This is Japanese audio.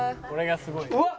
「これがすごいの」